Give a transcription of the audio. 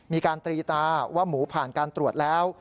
มีการตรีตาว่าหมูผ่านการตรวจแล้ว